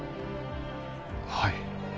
はい。